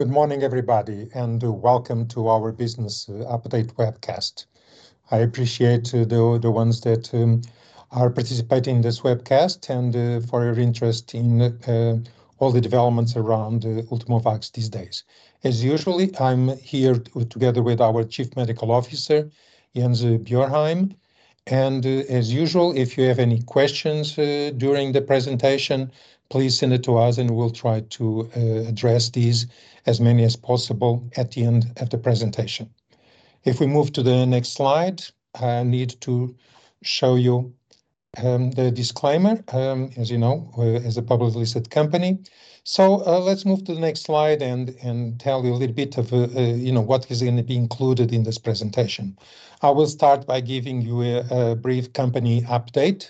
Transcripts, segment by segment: Good morning, everybody, and welcome to our business update webcast. I appreciate the ones that are participating in this webcast and for your interest in all the developments around Ultimovacs these days. As usual, I'm here together with our Chief Medical Officer, Jens Bjørheim. And as usual, if you have any questions during the presentation, please send it to us, and we'll try to address these as many as possible at the end of the presentation. If we move to the next slide, I need to show you the disclaimer, as you know, we're a public listed company. So, let's move to the next slide and tell you a little bit of, you know, what is gonna be included in this presentation. I will start by giving you a brief company update.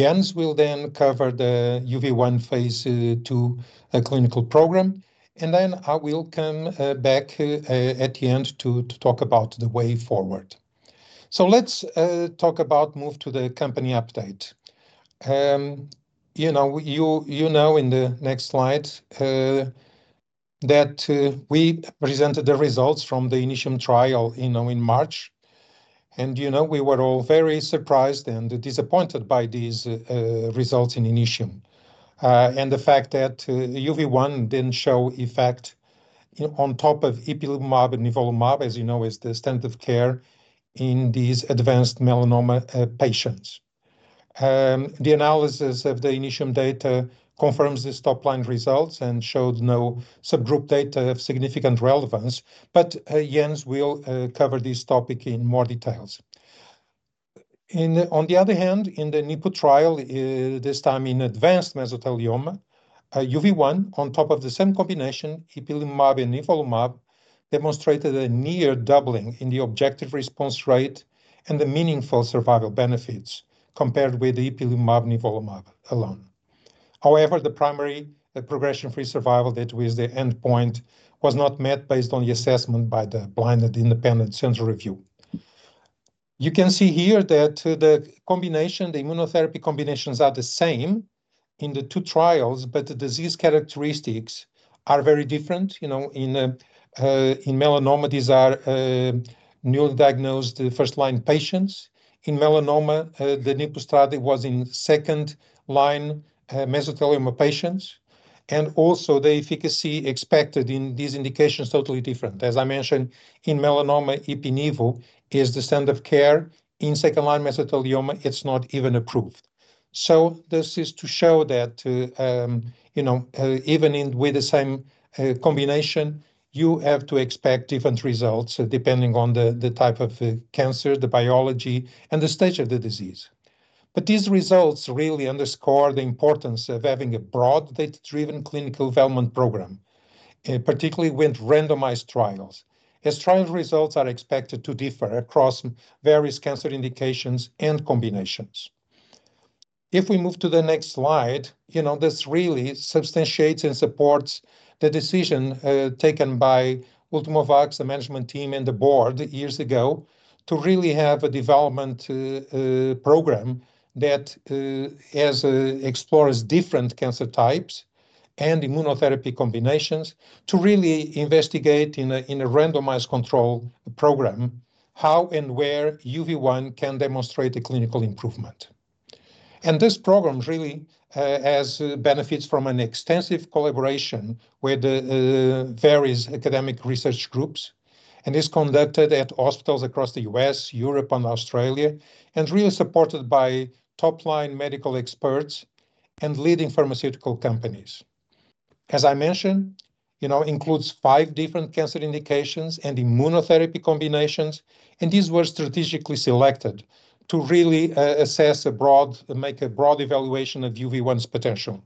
Jens will then cover the UV1 phase II clinical program, and then I will come back at the end to talk about the way forward. So let's move to the company update. You know, you know, in the next slide that we presented the results from the INITIUM trial, you know, in March, and you know we were all very surprised and disappointed by these results in INITIUM. And the fact that the UV1 didn't show effect you know on top of ipilimumab and nivolumab, as you know, is the standard of care in these advanced melanoma patients. The analysis of the INITIUM data confirms this top-line results and showed no subgroup data of significant relevance, but Jens will cover this topic in more details. On the other hand, in the NIPU trial, this time in advanced mesothelioma, UV1, on top of the same combination, ipilimumab and nivolumab, demonstrated a near doubling in the objective response rate and the meaningful survival benefits compared with the ipilimumab and nivolumab alone. However, the primary, the progression-free survival that was the endpoint, was not met based on the assessment by the Blinded Independent Central Review. You can see here that the combination, the immunotherapy combinations are the same in the two trials, but the disease characteristics are very different. You know, in, in melanoma, these are, newly diagnosed first-line patients. In melanoma, the NIPU study was in second-line, mesothelioma patients, and also the efficacy expected in these indications, totally different. As I mentioned, in melanoma, ipi/nivo is the standard of care. In second-line mesothelioma, it's not even approved. So this is to show that, you know, even in with the same combination, you have to expect different results depending on the, the type of cancer, the biology, and the stage of the disease. But these results really underscore the importance of having a broad, data-driven clinical development program, particularly with randomized trials, as trial results are expected to differ across various cancer indications and combinations. If we move to the next slide, you know, this really substantiates and supports the decision taken by Ultimovacs, the management team, and the board years ago, to really have a development program that explores different cancer types and immunotherapy combinations to really investigate in a randomized control program, how and where UV1 can demonstrate a clinical improvement. This program really has benefits from an extensive collaboration with the various academic research groups and is conducted at hospitals across the U.S., Europe, and Australia, and really supported by top-line medical experts and leading pharmaceutical companies. As I mentioned, you know, includes five different cancer indications and immunotherapy combinations, and these were strategically selected to really make a broad evaluation of UV1's potential.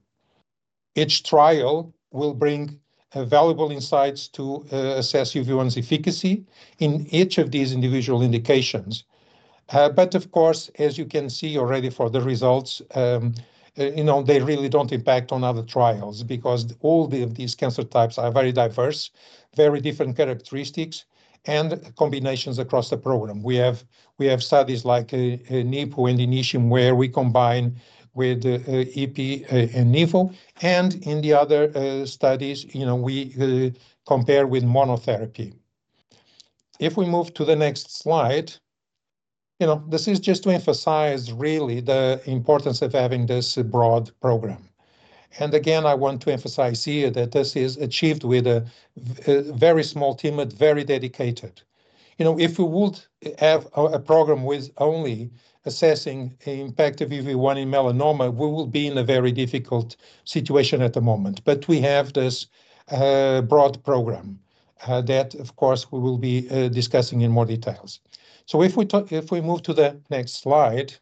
Each trial will bring valuable insights to assess UV1's efficacy in each of these individual indications. But of course, as you can see already for the results, you know, they really don't impact on other trials, because all these cancer types are very diverse, very different characteristics and combinations across the program. We have, we have studies like NIPU and INITIUM, where we combine with ipi and nivo, and in the other studies, you know, we compare with monotherapy. If we move to the next slide, you know, this is just to emphasize really the importance of having this broad program. And again, I want to emphasize here that this is achieved with a very small team, but very dedicated. You know, if we would have a program with only assessing the impact of UV1 in melanoma, we will be in a very difficult situation at the moment. But we have this broad program that, of course, we will be discussing in more details. So if we move to the next slide,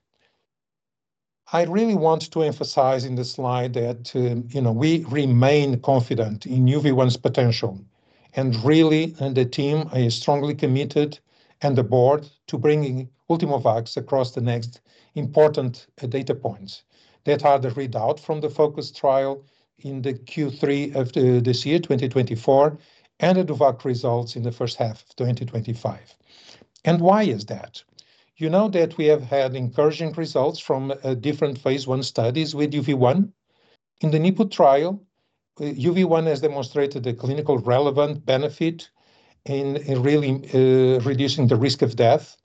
I really want to emphasize in this slide that, you know, we remain confident in UV1's potential. Really, the team is strongly committed, and the board, to bringing Ultimovacs across the next important data points that are the readout from the FOCUS trial in the Q3 of this year, 2024, and the DOVACC results in the first half of 2025. Why is that? You know that we have had encouraging results from different phase I studies with UV1. In the NIPU trial, UV1 has demonstrated a clinically relevant benefit in really reducing the risk of death,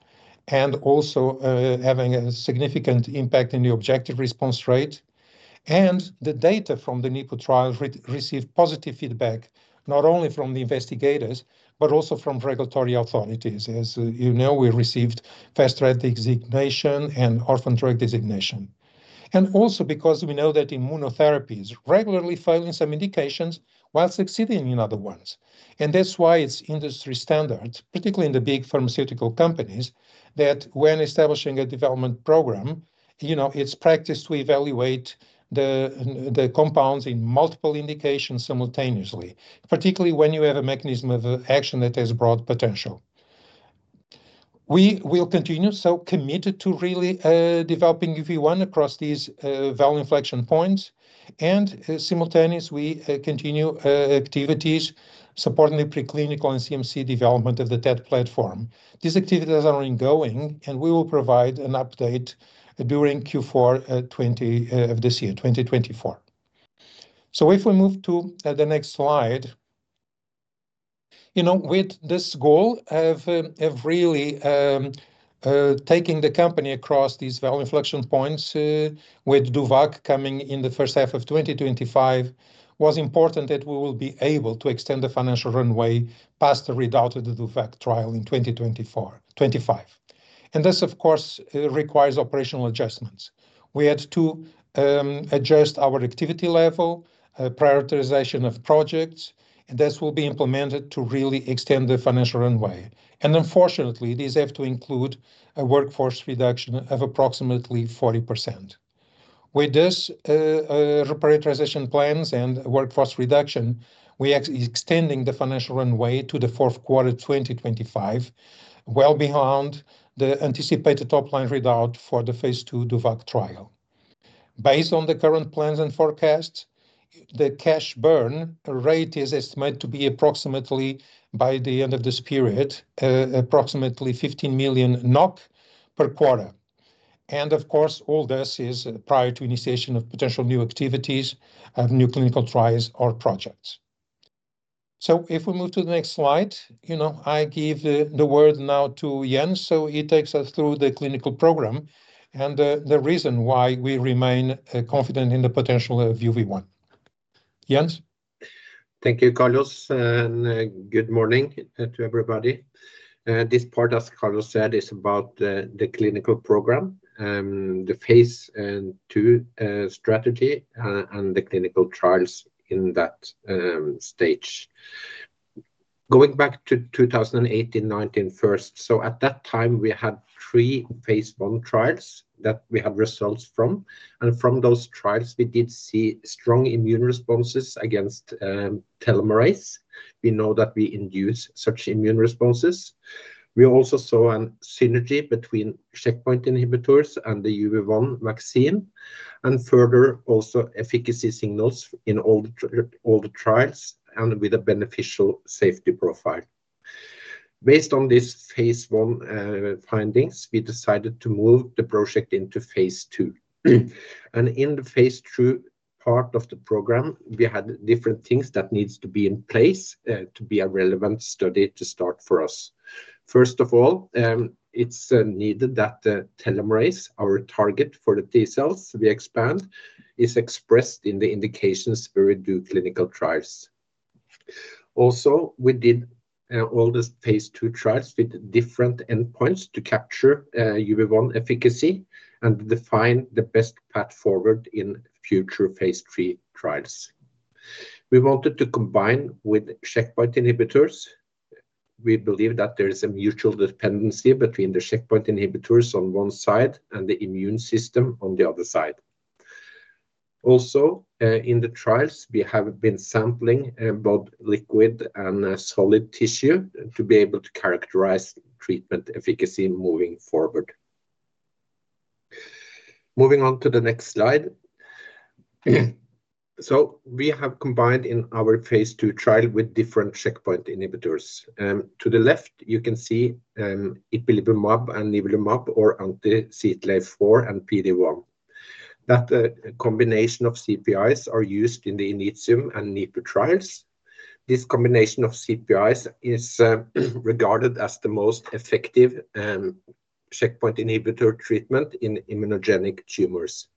and also having a significant impact in the objective response rate. The data from the NIPU trial received positive feedback, not only from the investigators, but also from regulatory authorities. As you know, we received Fast Track Designation and Orphan Drug Designation. Also because we know that immunotherapies regularly fail in some indications, while succeeding in other ones. That's why it's industry standard, particularly in the big pharmaceutical companies, that when establishing a development program, you know, it's practice to evaluate the compounds in multiple indications simultaneously, particularly when you have a mechanism of action that has broad potential. We will continue so committed to really developing UV1 across these value inflection points, and simultaneously we continue activities supporting the preclinical and CMC development of the TET platform. These activities are ongoing, and we will provide an update during Q4 of this year, 2024. If we move to the next slide. You know, with this goal of really taking the company across these value inflection points, with DOVACC coming in the first half of 2025, was important that we will be able to extend the financial runway past the readout of the DOVACC trial in 2024-2025. This, of course, requires operational adjustments. We had to adjust our activity level, prioritization of projects, and this will be implemented to really extend the financial runway. Unfortunately, these have to include a workforce reduction of approximately 40%. With this, reprioritization plans and workforce reduction, we are extending the financial runway to the fourth quarter of 2025, well behind the anticipated top-line readout for the phase II DOVACC trial. Based on the current plans and forecasts, the cash burn rate is estimated to be approximately, by the end of this period, approximately 15 million NOK per quarter. Of course, all this is prior to initiation of potential new activities, of new clinical trials or projects. If we move to the next slide, you know, I give the word now to Jens, so he takes us through the clinical program and the reason why we remain confident in the potential of UV1. Jens? Thank you, Carlos, and good morning to everybody. This part, as Carlos said, is about the clinical program, the phase II strategy, and the clinical trials in that stage. Going back to 2018, 2019 first, so at that time, we had three phase I trials that we have results from, and from those trials, we did see strong immune responses against telomerase. We know that we induce such immune responses. We also saw a synergy between checkpoint inhibitors and the UV1 vaccine, and further, also efficacy signals in all the trials, and with a beneficial safety profile. Based on this phase I findings, we decided to move the project into phase II. In the phase II part of the program, we had different things that needs to be in place to be a relevant study to start for us. First of all, it's needed that the telomerase, our target for the T-cells we expand, is expressed in the indications where we do clinical trials. Also, we did all the phase II trials with different endpoints to capture UV1 efficacy and define the best path forward in future phase III trials. We wanted to combine with checkpoint inhibitors. We believe that there is a mutual dependency between the checkpoint inhibitors on one side and the immune system on the other side. Also, in the trials, we have been sampling both liquid and solid tissue to be able to characterize treatment efficacy moving forward. Moving on to the next slide. So we have combined in our phase II trial with different checkpoint inhibitors. To the left, you can see, ipilimumab and nivolumab or anti-CTLA-4 and PD-1. That combination of CPIs are used in the INITIUM and NIPU trials. This combination of CPIs is regarded as the most effective, checkpoint inhibitor treatment in immunogenic tumors.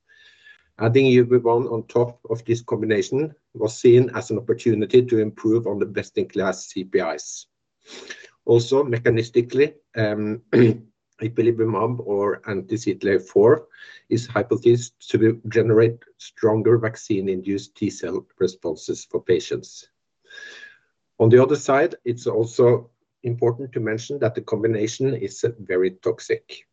Adding UV1 on top of this combination was seen as an opportunity to improve on the best-in-class CPIs. Also, mechanistically, ipilimumab or anti-CTLA-4, is hypothesized to generate stronger vaccine-induced T-cell responses for patients. On the other side, it's also important to mention that the combination is very toxic.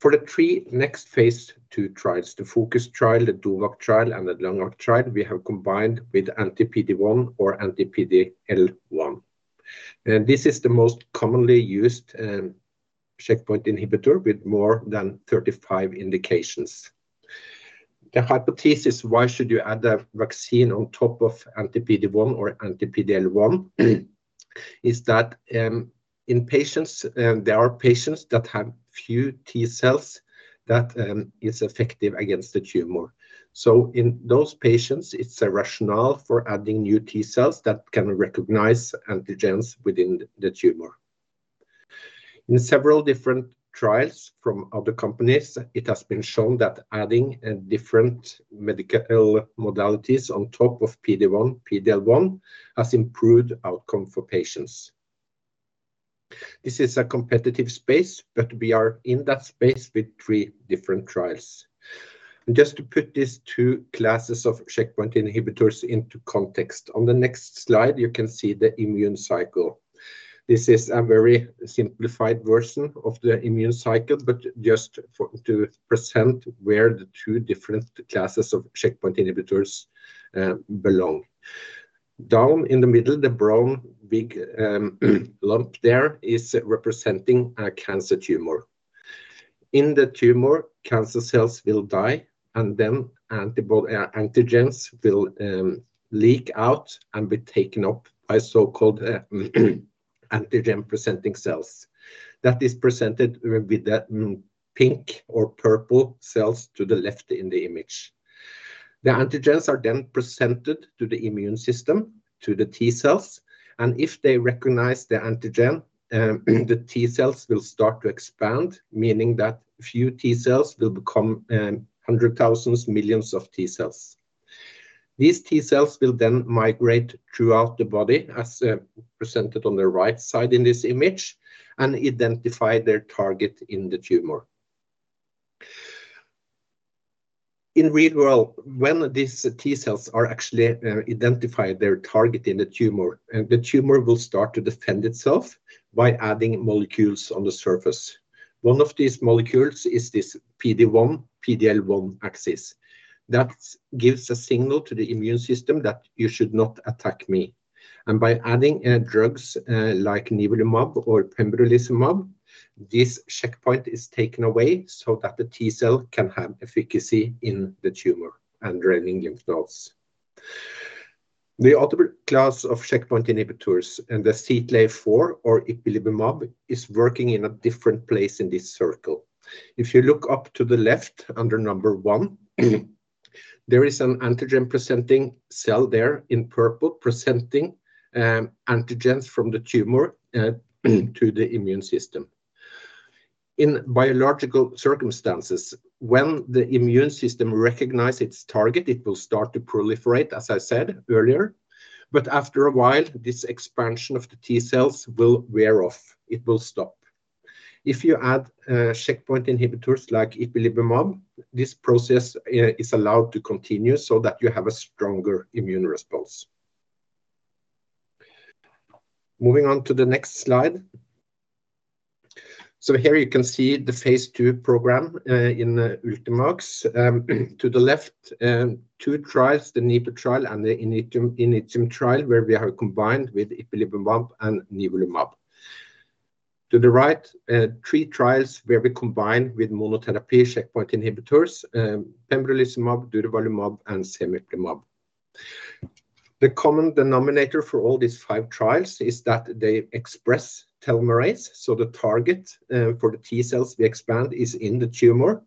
For the three next phase II trials, the FOCUS trial, the DOVACC trial, and the LUNGVAC trial, we have combined with anti-PD-1 or anti-PD-L1. This is the most commonly used, checkpoint inhibitor with more than 35 indications. The hypothesis, why should you add a vaccine on top of anti-PD-1 or anti-PD-L1, is that in patients there are patients that have few T-cells that is effective against the tumor. So in those patients, it's a rationale for adding new T-cells that can recognize antigens within the tumor. In several different trials from other companies, it has been shown that adding different medical modalities on top of PD-1, PD-L1 has improved outcome for patients. This is a competitive space, but we are in that space with three different trials. And just to put these two classes of checkpoint inhibitors into context, on the next slide, you can see the immune cycle. This is a very simplified version of the immune cycle, but just to present where the two different classes of checkpoint inhibitors belong. Down in the middle, the brown, big lump there is representing a cancer tumor. In the tumor, cancer cells will die, and then tumor antigens will leak out and be taken up by so-called antigen-presenting cells. That is presented with the pink or purple cells to the left in the image. The antigens are then presented to the immune system, to the T-cells, and if they recognize the antigen, the T-cells will start to expand, meaning that few T-cells will become hundred thousands, millions of T-cells. These T-cells will then migrate throughout the body, as presented on the right side in this image, and identify their target in the tumor. In real world, when these T-cells are actually identified their target in the tumor, the tumor will start to defend itself by adding molecules on the surface. One of these molecules is this PD-1, PD-L1 axis. That gives a signal to the immune system that you should not attack me. And by adding drugs like nivolumab or pembrolizumab, this checkpoint is taken away so that the T-cell can have efficacy in the tumor and draining lymph nodes. The other class of checkpoint inhibitors and the CTLA-4 or ipilimumab, is working in a different place in this circle. If you look up to the left under number one, there is an antigen-presenting cell there in purple, presenting antigens from the tumor to the immune system. In biological circumstances, when the immune system recognize its target, it will start to proliferate, as I said earlier, but after a while, this expansion of the T-cells will wear off. It will stop. If you add checkpoint inhibitors like ipilimumab, this process is allowed to continue so that you have a stronger immune response. Moving on to the next slide. So here you can see the phase II program in Ultimovacs. To the left, two trials, the NIPU trial and the INITIUM trial, where we have combined with ipilimumab and nivolumab. To the right, three trials where we combined with monotherapy checkpoint inhibitors, pembrolizumab, durvalumab, and cemiplimab. The common denominator for all these five trials is that they express telomerase, so the target for the T-cells we expand is in the tumor.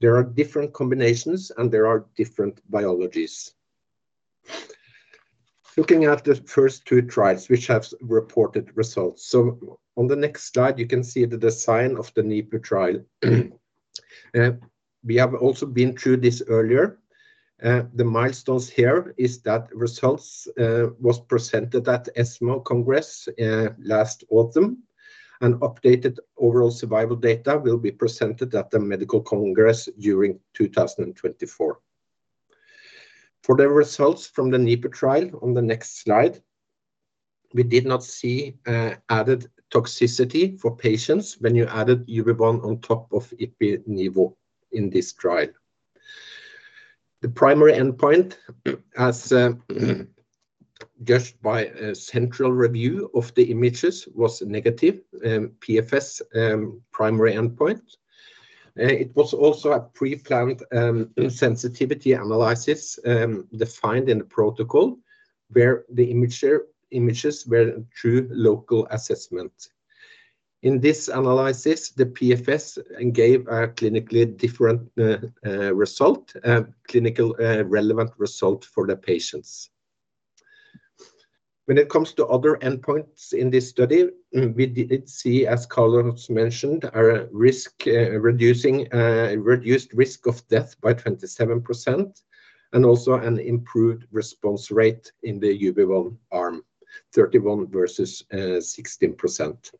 There are different combinations, and there are different biologies. Looking at the first two trials, which have reported results. So on the next slide, you can see the design of the NIPU trial. We have also been through this earlier. The milestones here is that results was presented at ESMO Congress last autumn, and updated overall survival data will be presented at the medical congress during 2024. For the results from the NIPU trial on the next slide, we did not see added toxicity for patients when you added UV1 on top of ipi/nivo in this trial. The primary endpoint, as judged by a central review of the images, was negative PFS primary endpoint. It was also a pre-planned sensitivity analysis defined in the protocol, where the images were through local assessment. In this analysis, the PFS gave a clinically different result clinical relevant result for the patients. When it comes to other endpoints in this study, we did see, as Carlos mentioned, a reduced risk of death by 27%, and also an improved response rate in the UV1 arm, 31% versus 16%.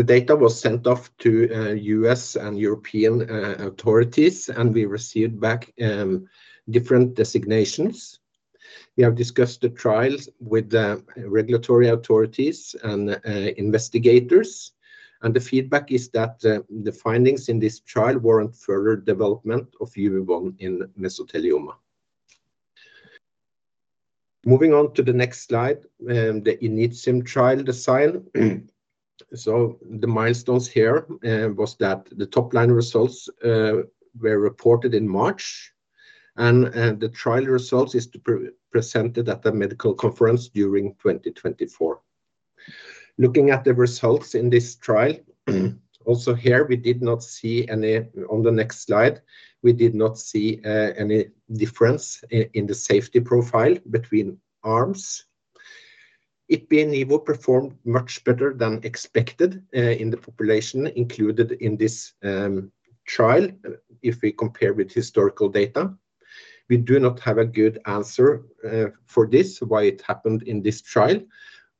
The data was sent off to U.S. and European authorities, and we received back different designations. We have discussed the trials with the regulatory authorities and investigators, and the feedback is that the findings in this trial warrant further development of UV1 in mesothelioma. Moving on to the next slide, the INITIUM trial design. So the milestones here was that the top line results were reported in March, and the trial results is to presented at the medical conference during 2024. Looking at the results in this trial, also here, we did not see any—on the next slide, we did not see any difference in the safety profile between arms. Ipi and nivo performed much better than expected in the population included in this trial, if we compare with historical data. We do not have a good answer for this, why it happened in this trial,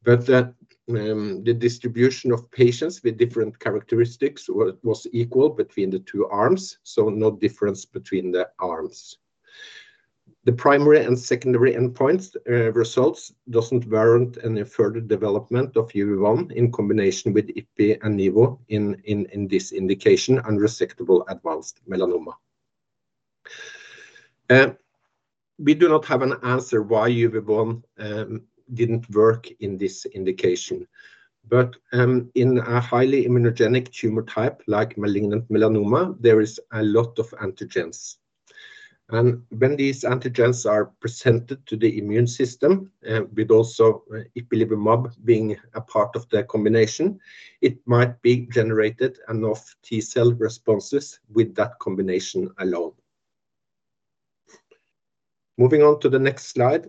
but that the distribution of patients with different characteristics was equal between the two arms, so no difference between the arms. The primary and secondary endpoints results doesn't warrant any further development of UV1 in combination with ipi and nivo in this indication, unresectable advanced melanoma. We do not have an answer why UV1 didn't work in this indication. In a highly immunogenic tumor type like malignant melanoma, there is a lot of antigens. And when these antigens are presented to the immune system, with also, ipilimumab being a part of the combination, it might be generated enough T-cell responses with that combination alone. Moving on to the next slide.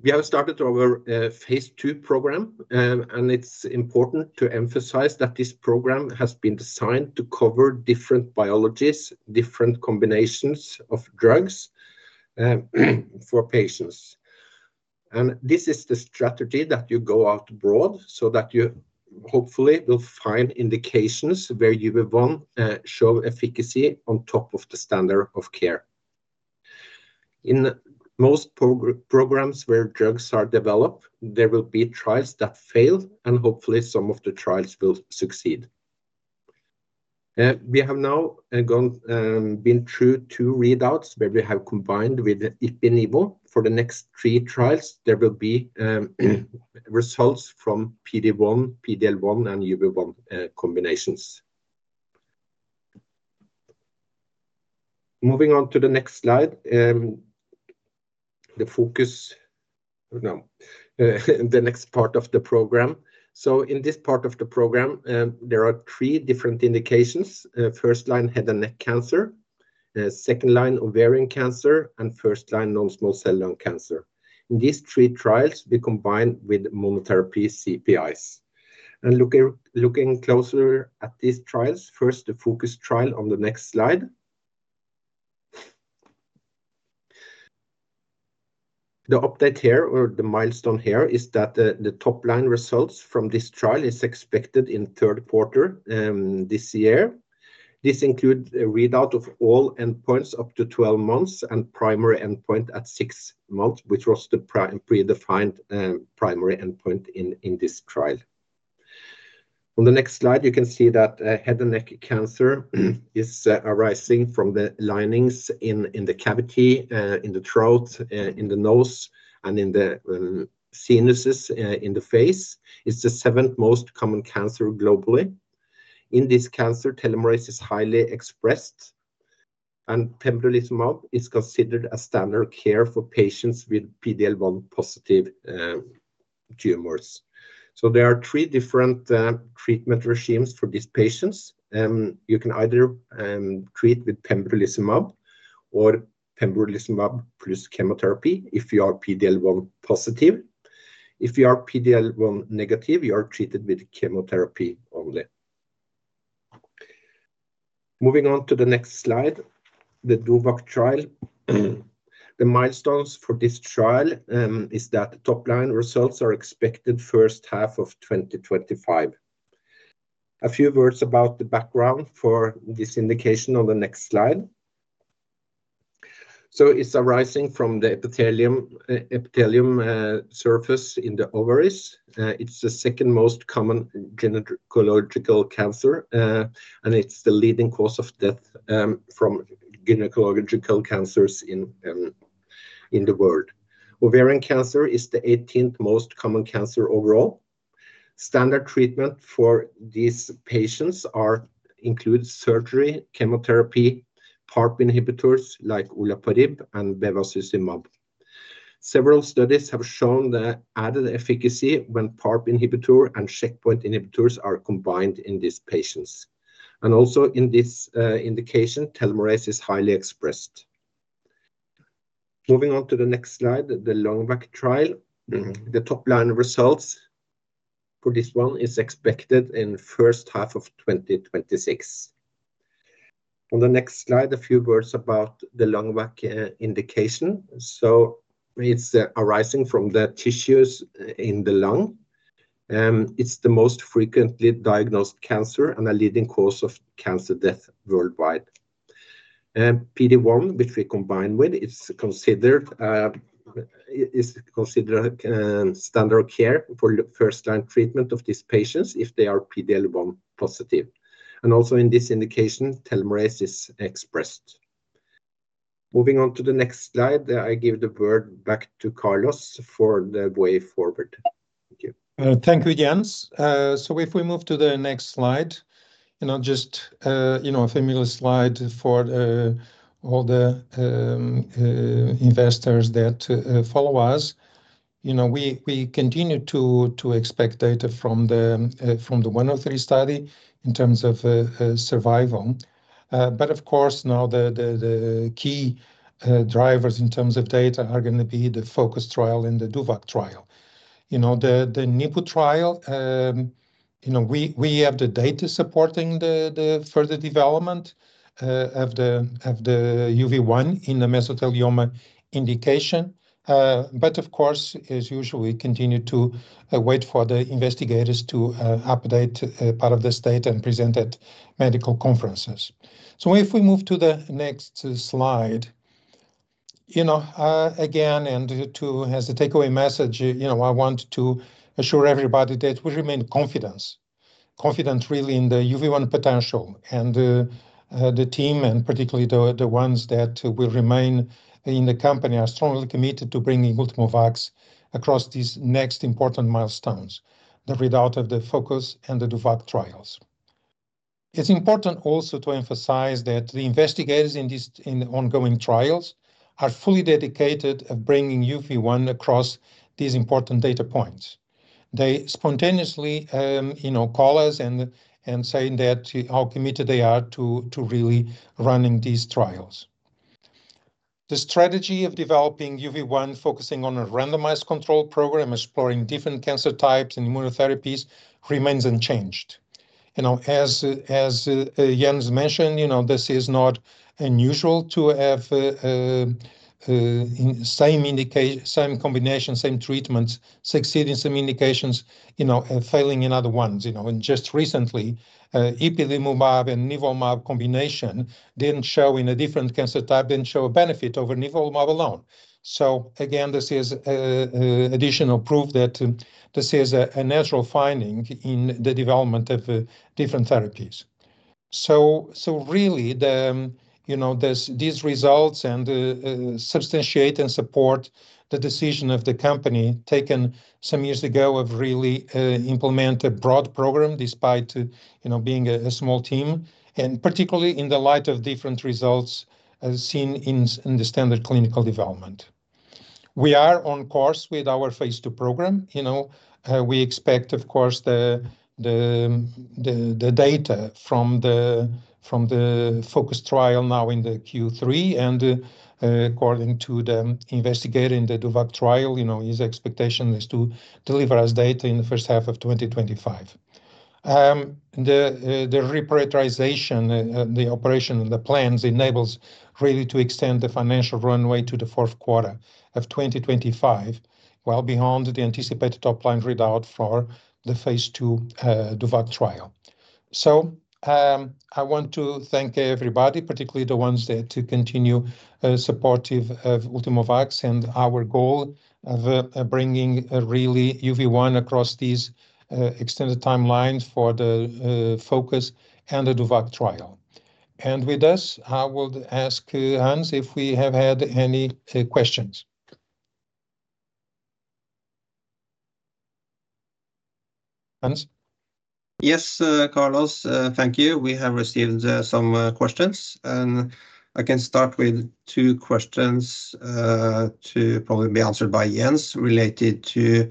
We have started our phase II program, and it's important to emphasize that this program has been designed to cover different biologies, different combinations of drugs, for patients. And this is the strategy that you go out broad, so that you hopefully will find indications where UV1 show efficacy on top of the standard of care. In most programs where drugs are developed, there will be trials that fail, and hopefully some of the trials will succeed. We have now gone been through two readouts, where we have combined with ipi/nivo. For the next three trials, there will be results from PD-1, PD-L1, and UV1 combinations. Moving on to the next slide, the focus. Now. The next part of the program. So in this part of the program, there are three different indications: first line, head and neck cancer, second line, ovarian cancer, and first line, non-small cell lung cancer. In these three trials, we combine with monotherapy CPIs. Looking closer at these trials, first, the FOCUS trial on the next slide. The update here or the milestone here is that the top line results from this trial is expected in third quarter this year. This includes a readout of all endpoints up to 12 months, and primary endpoint at six months, which was the predefined primary endpoint in this trial. On the next slide, you can see that head and neck cancer is arising from the linings in the cavity in the throat in the nose, and in the sinuses in the face. It's the seventh most common cancer globally. In this cancer, telomerase is highly expressed, and pembrolizumab is considered a standard care for patients with PD-L1 positive tumors. So there are three different treatment regimens for these patients. You can either treat with pembrolizumab or pembrolizumab plus chemotherapy if you are PD-L1 positive. If you are PD-L1 negative, you are treated with chemotherapy only. Moving on to the next slide, the DOVACC trial. The milestones for this trial is that top line results are expected first half of 2025. A few words about the background for this indication on the next slide. So it's arising from the epithelium surface in the ovaries. It's the second most common gynecological cancer, and it's the leading cause of death from gynecological cancers in the world. Ovarian cancer is the eighteenth most common cancer overall. Standard treatment for these patients includes surgery, chemotherapy, PARP inhibitors like olaparib and bevacizumab. Several studies have shown the added efficacy when PARP inhibitor and checkpoint inhibitors are combined in these patients. And also in this indication, telomerase is highly expressed. Moving on to the next slide, the LUNGVAC trial. The top line results for this one is expected in first half of 2026. On the next slide, a few words about the LUNGVAC indication. So it's arising from the tissues in the lung, it's the most frequently diagnosed cancer and a leading cause of cancer death worldwide. PD-1, which we combine with, is considered standard care for the first-line treatment of these patients if they are PD-L1 positive. And also in this indication, telomerase is expressed. Moving on to the next slide, I give the word back to Carlos for the way forward. Thank you. Thank you, Jens. So if we move to the next slide, you know, just, you know, a familiar slide for all the investors that follow us. You know, we continue to expect data from the 103 study in terms of survival. But of course, now the key drivers in terms of data are gonna be the FOCUS trial and the DOVACC trial. You know, the NIPU trial, you know, we have the data supporting the further development of the UV1 in the mesothelioma indication. But of course, as usual, we continue to wait for the investigators to update part of this data and present at medical conferences. So if we move to the next slide, you know, again, and to, as a takeaway message, you know, I want to assure everybody that we remain confident really in the UV1 potential and the, the team, and particularly the, the ones that will remain in the company, are strongly committed to bringing Ultimovacs across these next important milestones, the readout of the FOCUS and the DOVACC trials. It's important also to emphasize that the investigators in these, in ongoing trials are fully dedicated of bringing UV1 across these important data points. They spontaneously, you know, call us and, and saying that how committed they are to, to really running these trials. The strategy of developing UV1, focusing on a randomized control program, exploring different cancer types and immunotherapies, remains unchanged. You know, Jens mentioned, you know, this is not unusual to have same combination, same treatments, succeeding some indications, you know, and failing in other ones. You know, and just recently, ipilimumab and nivolumab combination didn't show in a different cancer type, didn't show a benefit over nivolumab alone. So again, this is additional proof that this is a natural finding in the development of different therapies. So really the, you know, these results and substantiate and support the decision of the company, taken some years ago, of really implement a broad program despite, you know, being a small team, and particularly in the light of different results as seen in the standard clinical development. We are on course with our phase two program. You know, we expect, of course, the data from the FOCUS trial now in the Q3, and according to the investigator in the DOVACC trial, you know, his expectation is to deliver us data in the first half of 2025. The reprioritization, the operation and the plans enables really to extend the financial runway to the fourth quarter of 2025, well beyond the anticipated top-line readout for the phase II DOVACC trial. So, I want to thank everybody, particularly the ones that continue supportive of Ultimovacs and our goal of bringing really UV1 across these extended timelines for the FOCUS and the DOVACC trial. And with this, I would ask Hans if we have had any questions. Hans? Yes, Carlos, thank you. We have received some questions, and I can start with two questions to probably be answered by Jens, related to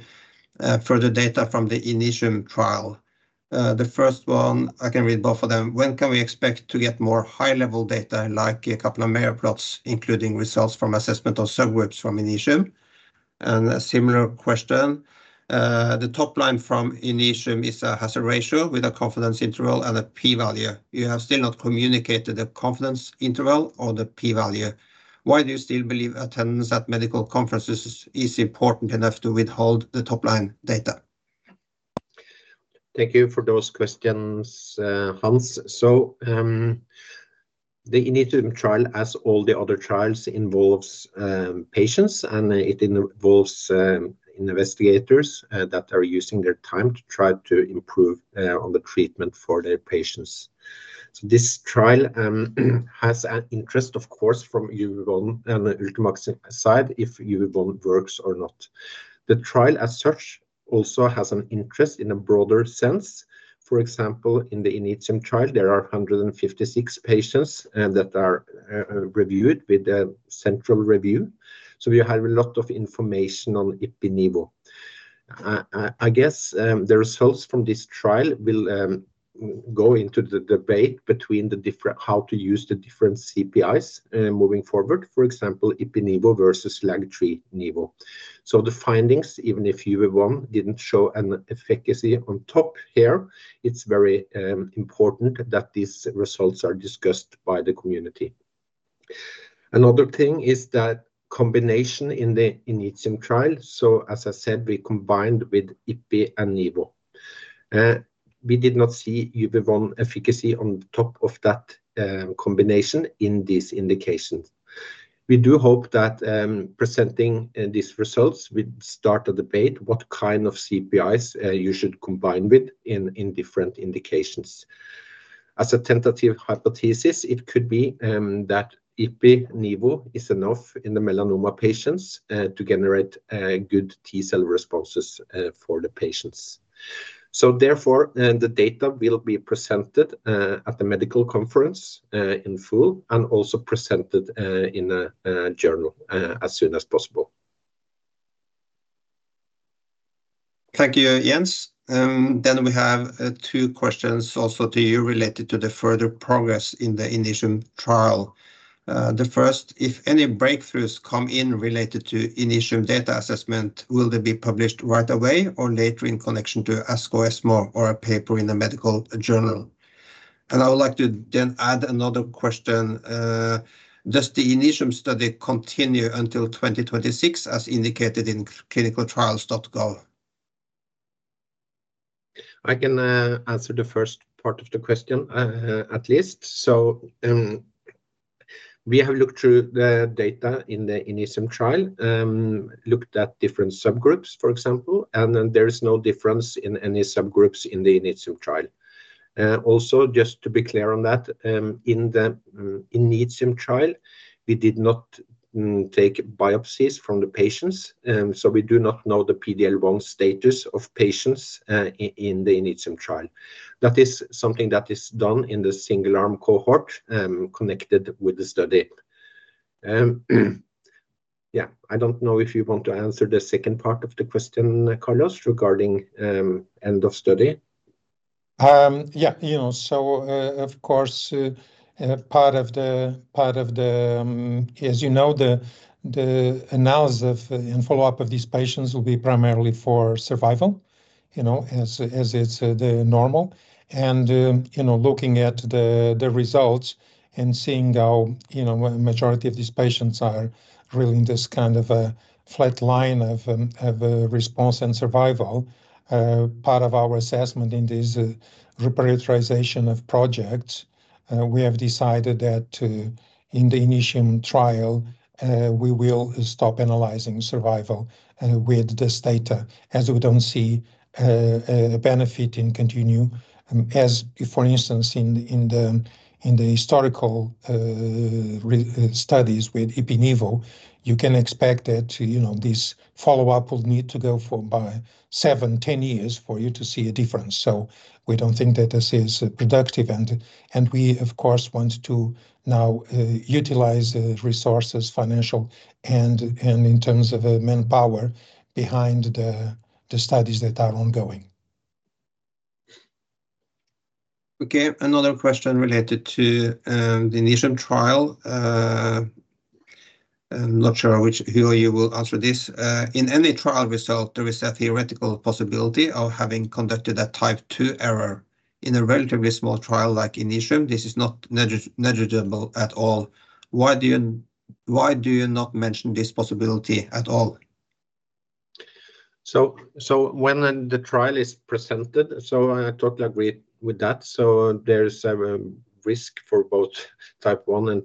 further data from the INITIUM trial. The first one, I can read both of them. When can we expect to get more high-level data, like a couple of major plots, including results from assessment or subgroups from INITIUM? And a similar question, the top line from INITIUM has a ratio with a confidence interval and a P value. You have still not communicated the confidence interval or the P value. Why do you still believe attendance at medical conferences is important enough to withhold the top-line data? Thank you for those questions, Hans. So, the INITIUM trial, as all the other trials, involves patients, and it involves investigators that are using their time to try to improve on the treatment for their patients. So this trial has an interest, of course, from UV1 and Ultimovacs side, if UV1 works or not. The trial as such, also has an interest in a broader sense. For example, in the INITIUM trial, there are 156 patients that are reviewed with a central review. So we have a lot of information on ipi/nivo. I guess the results from this trial will go into the debate between the different- how to use the different CPIs moving forward, for example, ipi/nivo versus LAG-3/nivo. So the findings, even if UV1 didn't show an efficacy on top here, it's very important that these results are discussed by the community. Another thing is that combination in the INITIUM trial, so as I said, we combined with ipi and nivo. We did not see UV1 efficacy on top of that combination in these indications. We do hope that presenting these results will start a debate, what kind of CPIs you should combine with in different indications. As a tentative hypothesis, it could be that ipi/nivo is enough in the melanoma patients to generate good T-cell responses for the patients. So therefore, then the data will be presented at the medical conference in full and also presented in a journal as soon as possible. Thank you, Jens. Then we have two questions also to you related to the further progress in the INITIUM trial. The first, if any breakthroughs come in related to INITIUM data assessment, will they be published right away or later in connection to ASCO/ESMO or a paper in a medical journal? And I would like to then add another question. Does the INITIUM study continue until 2026, as indicated in ClinicalTrials.gov? I can answer the first part of the question, at least. So, we have looked through the data in the INITIUM trial, looked at different subgroups, for example, and then there is no difference in any subgroups in the INITIUM trial. Also, just to be clear on that, in the INITIUM trial, we did not take biopsies from the patients, so we do not know the PD-L1 status of patients, in the INITIUM trial. That is something that is done in the single-arm cohort, connected with the study. Yeah, I don't know if you want to answer the second part of the question, Carlos, regarding end of study. Yeah, you know, so, of course, part of the, as you know, the analysis of and follow-up of these patients will be primarily for survival, you know, as it's the normal. And, you know, looking at the results and seeing how, you know, majority of these patients are really in this kind of a flat line of response and survival. Part of our assessment in this reprioritization of projects, we have decided that, in the INITIUM trial, we will stop analyzing survival with this data, as we don't see a benefit in continue. As for instance, in the historical studies with ipi/nivo, you can expect that, you know, this follow-up will need to go for by seven to 10 years for you to see a difference. So we don't think that this is productive, and we of course want to now utilize the resources, financial, and in terms of manpower behind the studies that are ongoing. Okay, another question related to the INITIUM trial. I'm not sure which, who of you will answer this. In any trial result, there is a theoretical possibility of having conducted a type two error. In a relatively small trial like INITIUM, this is not negligible at all. Why do you, why do you not mention this possibility at all? When the trial is presented, I totally agree with that. There is risk for both type one and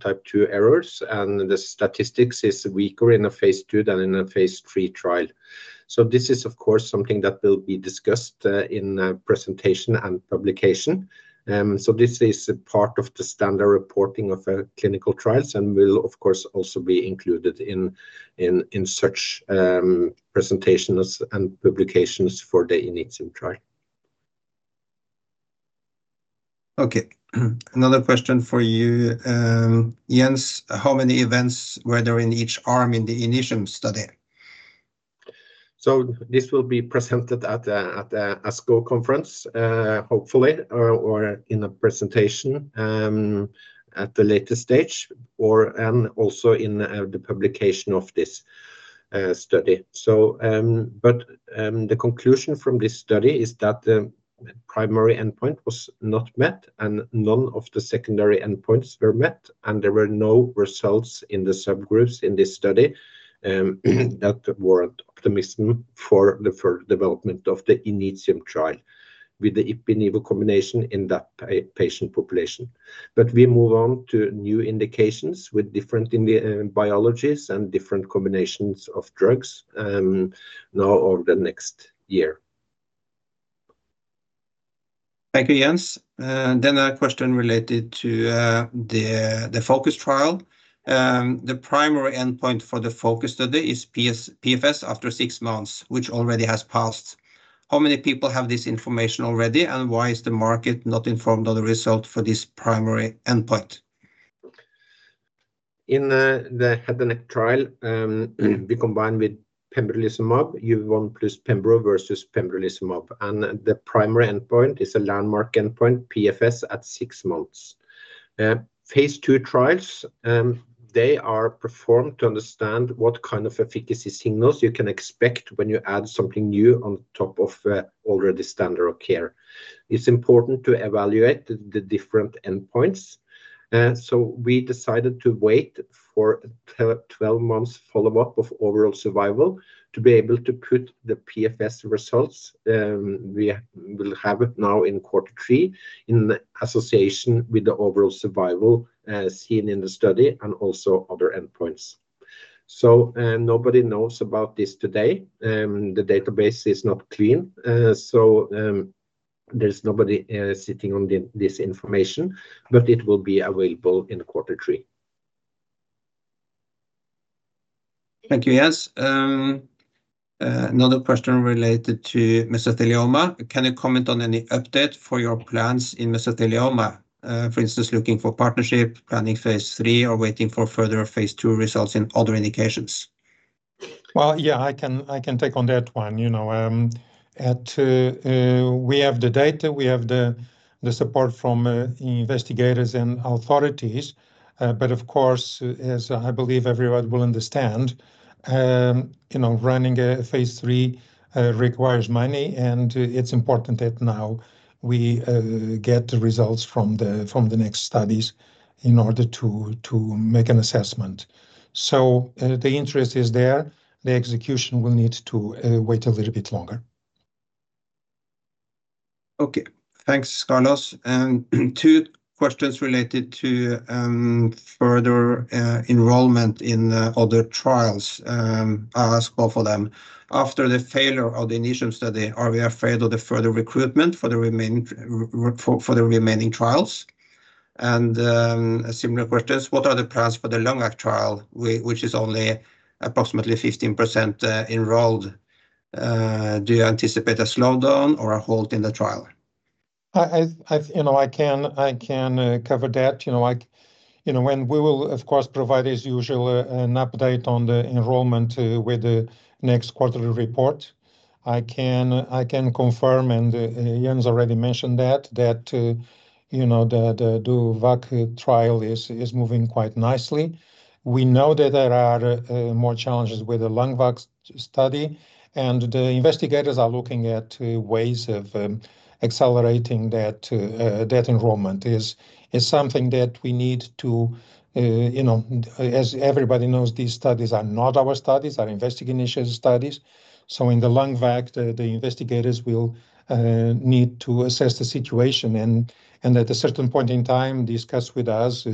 type two errors, and the statistics is weaker in a phase II than in a phase III trial. This is, of course, something that will be discussed in a presentation and publication. This is a part of the standard reporting of clinical trials and will, of course, also be included in such presentations and publications for the INITIUM trial. Okay. Another question for you, Jens. How many events were there in each arm in the INITIUM study? So this will be presented at the ASCO conference, hopefully, or in a presentation at the later stage, or and also in the publication of this study. But the conclusion from this study is that the primary endpoint was not met, and none of the secondary endpoints were met, and there were no results in the subgroups in this study that warrant optimism for the further development of the INITIUM trial with the ipi/nivo combination in that patient population. But we move on to new indications with different biologies and different combinations of drugs now over the next year. Thank you, Jens. Then a question related to the FOCUS trial. The primary endpoint for the FOCUS study is PFS after six months, which already has passed. How many people have this information already, and why is the market not informed of the result for this primary endpoint? In the head and neck trial, we combined with pembrolizumab, UV1 plus pembro versus pembrolizumab. The primary endpoint is a landmark endpoint, PFS at six months. Phase II trials, they are performed to understand what kind of efficacy signals you can expect when you add something new on top of already standard of care. It's important to evaluate the different endpoints. So we decided to wait for 12 months follow-up of overall survival to be able to put the PFS results. We will have it now in quarter three, in association with the overall survival seen in the study and also other endpoints. So nobody knows about this today. The database is not clean. So there's nobody sitting on this information, but it will be available in quarter three. Thank you, Jens. Another question related to mesothelioma. Can you comment on any update for your plans in mesothelioma? For instance, looking for partnership, planning phase III, or waiting for further phase II results in other indications. Well, yeah, I can take on that one. You know, we have the data, we have the support from investigators and authorities. But of course, as I believe everyone will understand, you know, running a phase three requires money, and it's important that now we get the results from the next studies in order to make an assessment. So, the interest is there, the execution will need to wait a little bit longer. Okay. Thanks, Carlos. Two questions related to further enrollment in other trials. I'll ask both of them. After the failure of the initial study, are we afraid of the further recruitment for the remaining trials? A similar question, what are the plans for the LUNGVAC trial, which is only approximately 15% enrolled? Do you anticipate a slowdown or a halt in the trial? You know, I can cover that. You know, when we will, of course, provide as usual, an update on the enrollment with the next quarterly report. I can confirm, and Jens already mentioned that, you know, the DOVACC trial is moving quite nicely. We know that there are more challenges with the LUNGVAC study, and the investigators are looking at ways of accelerating that enrollment. It is something that we need to, you know, as everybody knows, these studies are not our studies, are investigator-initiated studies. So in the LUNGVAC, the investigators will need to assess the situation and at a certain point in time, discuss with us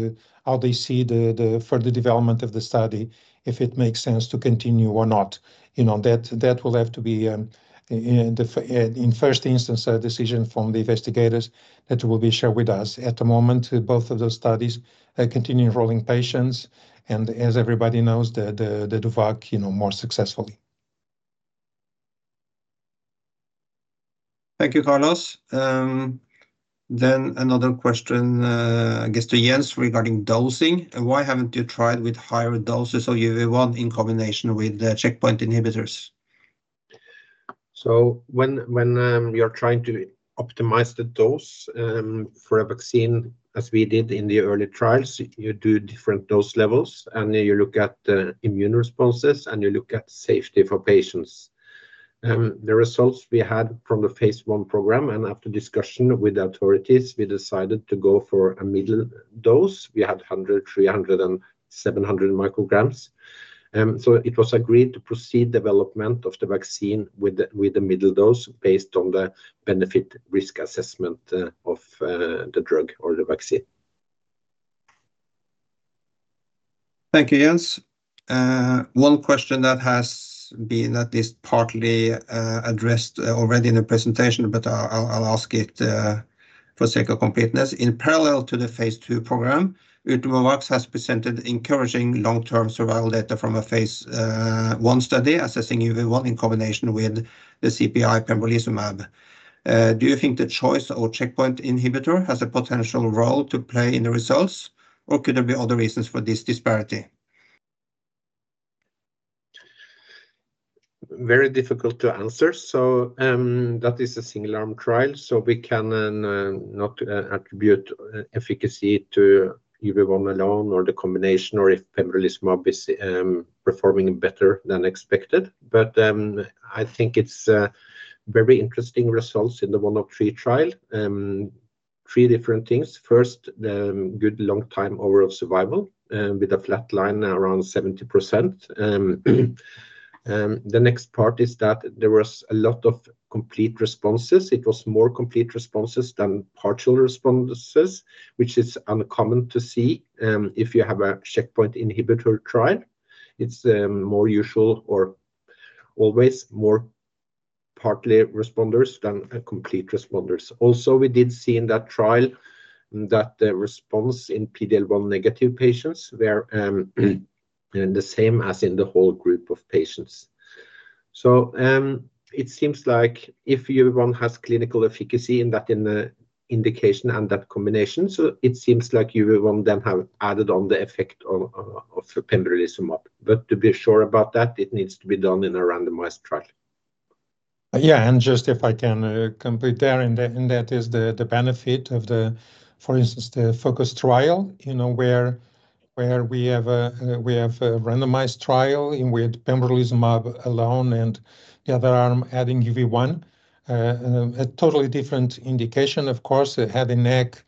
how they see the further development of the study, if it makes sense to continue or not. You know, that will have to be, in the first instance, a decision from the investigators that will be shared with us. At the moment, both of those studies continue enrolling patients, and as everybody knows, the DOVACC, you know, more successfully. Thank you, Carlos. Then another question, I guess to Jens regarding dosing. Why haven't you tried with higher doses of UV1 in combination with the checkpoint inhibitors? So when we are trying to optimize the dose, for a vaccine, as we did in the early trials, you do different dose levels, and you look at the immune responses, and you look at safety for patients. The results we had from the phase I program, and after discussion with the authorities, we decided to go for a middle dose. We had 100, 300, and 700 micrograms. So it was agreed to proceed development of the vaccine with the middle dose, based on the benefit-risk assessment, of the drug or the vaccine. Thank you, Jens. One question that has been at least partly addressed already in the presentation, but I'll ask it for sake of completeness. In parallel to the phase two program, Ultimovacs has presented encouraging long-term survival data from a phase one study assessing UV1 in combination with the CPI pembrolizumab. Do you think the choice of checkpoint inhibitor has a potential role to play in the results, or could there be other reasons for this disparity? Very difficult to answer. So, that is a single-arm trial, so we can not attribute efficacy to UV1 alone, or the combination, or if pembrolizumab is performing better than expected. But, I think it's very interesting results in the 103 trial. Three different things. First, the good long time overall survival with a flat line around 70%. And the next part is that there was a lot of complete responses. It was more complete responses than partial responses, which is uncommon to see, if you have a checkpoint inhibitor trial. It's more usual or always more partial responders than complete responders. Also, we did see in that trial that the response in PD-L1-negative patients were the same as in the whole group of patients. So, it seems like if UV1 has clinical efficacy in that, in the indication and that combination, so it seems like UV1 then have added on the effect of pembrolizumab. But to be sure about that, it needs to be done in a randomized trial. Yeah, and just if I can complete there, and that, and that is the benefit of the, for instance, the FOCUS trial, you know, where we have a randomized trial in with pembrolizumab alone, and the other arm adding UV1. A totally different indication, of course, head and neck.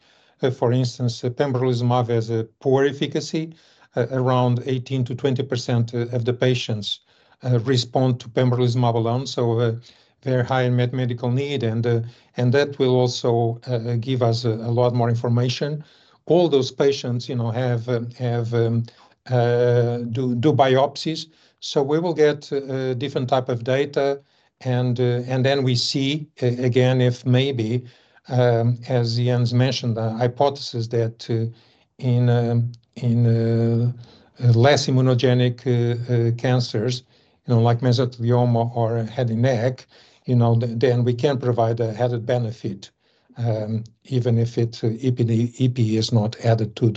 For instance, pembrolizumab has a poor efficacy. Around 18%-20% of the patients respond to pembrolizumab alone, so a very high medical need, and that will also give us a lot more information. All those patients, you know, have biopsies, so we will get different type of data and then we see again if maybe, as Jens mentioned, the hypothesis that in less immunogenic cancers, you know, like mesothelioma or head and neck, you know, then we can provide a added benefit even if it ipi, the ipi is not added to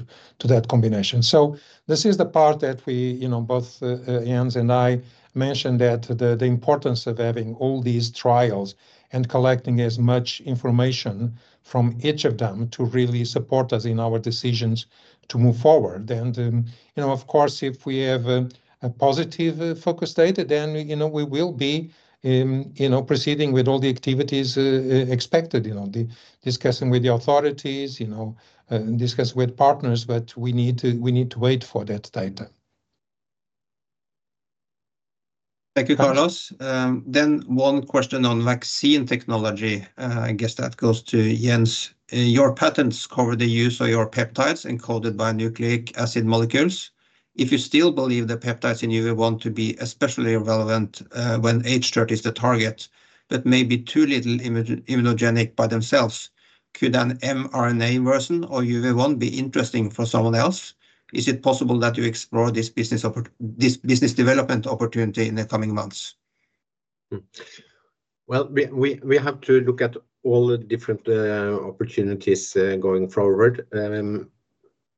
that combination. So this is the part that we, you know, both Jens and I mentioned that the importance of having all these trials and collecting as much information from each of them to really support us in our decisions to move forward. You know, of course, if we have a positive FOCUS data, then, you know, we will be, you know, proceeding with all the activities expected, you know, then discussing with the authorities, you know, discuss with partners, but we need to wait for that data. Thank you, Carlos. One question on vaccine technology, I guess that goes to Jens. Your patents cover the use of your peptides and coded by nucleic acid molecules. If you still believe the peptides in UV1 to be especially relevant, when hTERT is the target, but maybe too little immunogenic by themselves, could an mRNA version or UV1 be interesting for someone else? Is it possible that you explore this business development opportunity in the coming months? Well, we have to look at all the different opportunities going forward.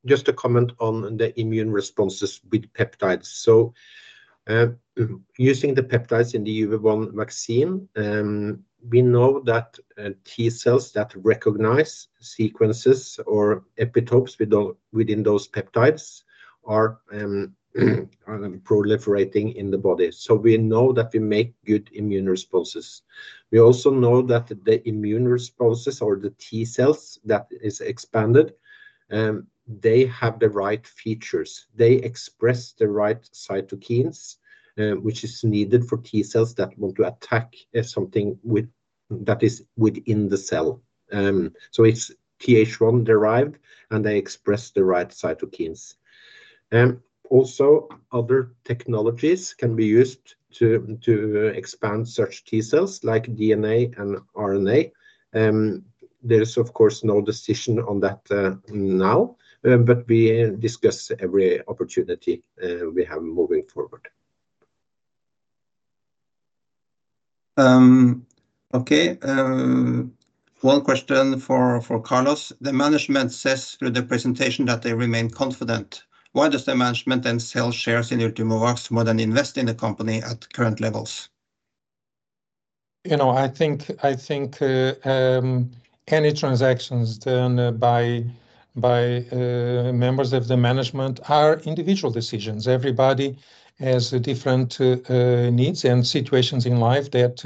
Just to comment on the immune responses with peptides. So, using the peptides in the UV1 vaccine, we know that T-cells that recognize sequences or epitopes within those peptides are proliferating in the body. So we know that we make good immune responses. We also know that the immune responses or the T-cells that is expanded, they have the right features. They express the right cytokines, which is needed for T-cells that want to attack something that is within the cell. So it's Th1 derived, and they express the right cytokines. Also, other technologies can be used to expand such T-cells, like DNA and RNA. There is, of course, no decision on that now, but we discuss every opportunity we have moving forward. One question for Carlos: The management says through the presentation that they remain confident. Why does the management then sell shares in Ultimovacs more than invest in the company at current levels? You know, I think, any transactions done by members of the management are individual decisions. Everybody has different needs and situations in life that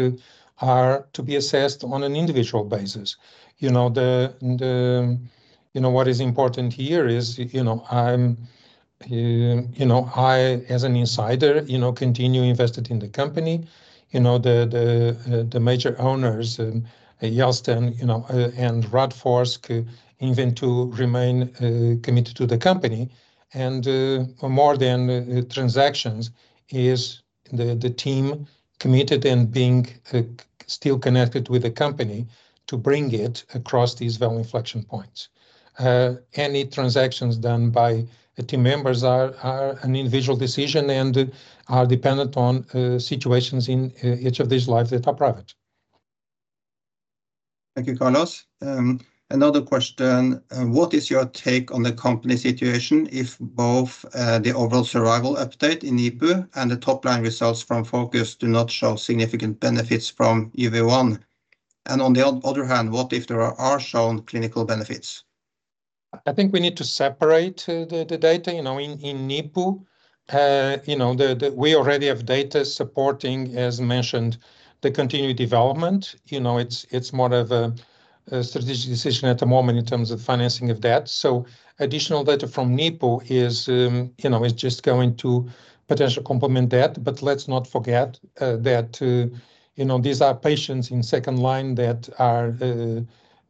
are to be assessed on an individual basis. You know, what is important here is, you know, I'm, you know, I, as an insider, you know, continue invested in the company. You know, the major owners, Gjelsten Holding, you know, and Radforsk Investeringsstiftelse, even to remain committed to the company. And, more than transactions is the team committed and being still connected with the company to bring it across these value inflection points. Any transactions done by the team members are an individual decision and are dependent on situations in each of these lives that are private. Thank you, Carlos. Another question: What is your take on the company situation if both the overall survival update in NIPU and the top line results from FOCUS do not show significant benefits from UV1? And on the other hand, what if there are shown clinical benefits? I think we need to separate the data. You know, in NIPU, you know, we already have data supporting, as mentioned, the continued development. You know, it's more of a strategic decision at the moment in terms of financing of that. So additional data from NIPU is, you know, is just going to potentially complement that. But let's not forget that you know, these are patients in second line that are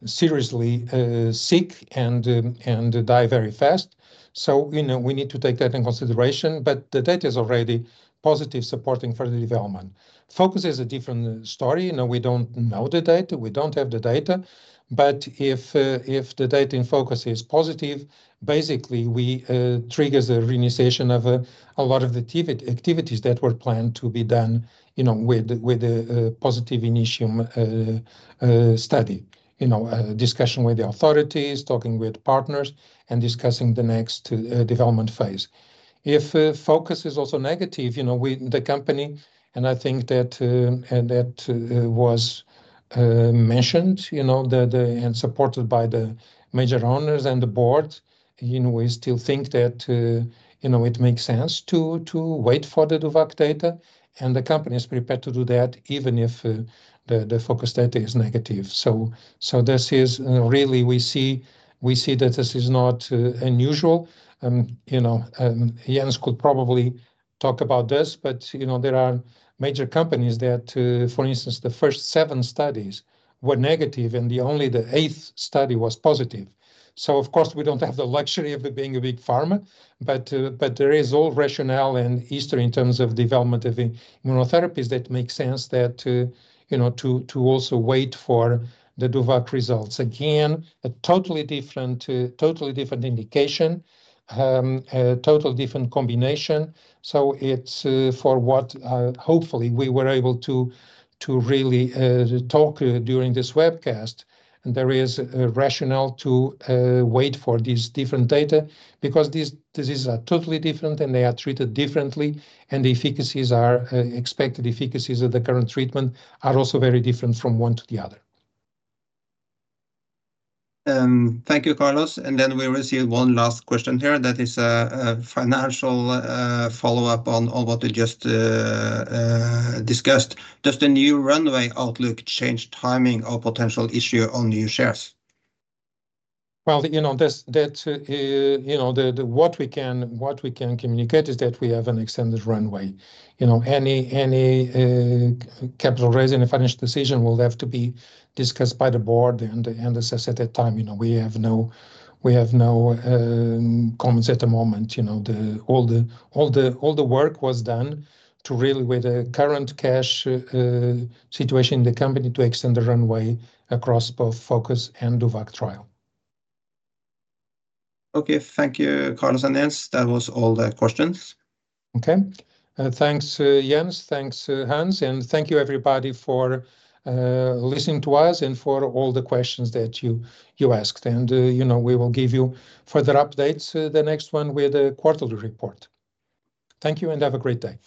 seriously sick and die very fast. So, you know, we need to take that in consideration, but the data is already positive, supporting further development. FOCUS is a different story. You know, we don't know the data. We don't have the data. But if the data in FOCUS is positive, basically, we triggers a renunciation of a lot of the pivot activities that were planned to be done, you know, with a positive INITIUM study. You know, discussion with the authorities, talking with partners, and discussing the next development phase. If FOCUS is also negative, you know, we, the company, and I think that was mentioned, you know, that and supported by the major owners and the board. You know, we still think that, you know, it makes sense to wait for the DOVACC data, and the company is prepared to do that, even if the FOCUS data is negative. So this is really we see, we see that this is not unusual. You know, Jens could probably talk about this, but, you know, there are major companies that, for instance, the first seven studies were negative, and the only the eighth study was positive. So of course, we don't have the luxury of it being a big pharma, but, but there is all rationale and history in terms of development of immunotherapies that make sense that, you know, to, to also wait for the DOVACC results. Again, a totally different, totally different indication, a total different combination, so it's, for what, hopefully we were able to, to really, talk, during this webcast. There is a rationale to wait for these different data because these diseases are totally different, and they are treated differently, and the efficacies are expected efficacies of the current treatment are also very different from one to the other. Thank you, Carlos, and then we receive one last question here that is a financial follow-up on what you just discussed. Does the new runway outlook change timing or potential issue on new shares? Well, you know, what we can communicate is that we have an extended runway. You know, any capital raise and financial decision will have to be discussed by the board, and assessed at that time. You know, we have no comments at the moment. You know, all the work was done to really with the current cash situation in the company to extend the runway across both FOCUS and DOVACC trial. Okay. Thank you, Carlos and Jens. That was all the questions. Okay. Thanks, Jens, thanks, Hans, and thank you, everybody, for listening to us and for all the questions that you asked. You know, we will give you further updates, the next one with the quarterly report. Thank you, and have a great day!